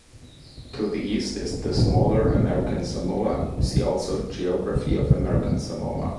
To the East is the smaller American Samoa, see also Geography of American Samoa.